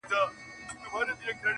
هر کور کي لږ غم شته,